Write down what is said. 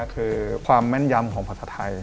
คือความแม่นยำของภาษาไทย